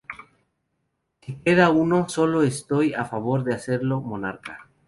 Si queda uno solo, estoy a favor de hacerlo monarca